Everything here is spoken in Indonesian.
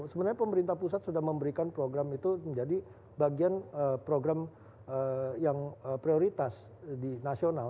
sebenarnya pemerintah pusat sudah memberikan program itu menjadi bagian program yang prioritas di nasional